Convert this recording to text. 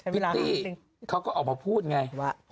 ิตตี้เขาก็ออกมาพูดไงว่า